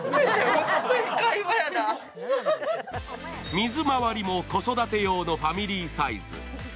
水まわりも子育て用のファミリーサイズ。